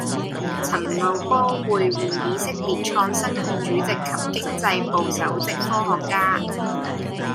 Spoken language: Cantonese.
陳茂波會晤以色列創新局主席及經濟部首席科學家